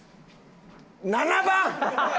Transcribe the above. ７番！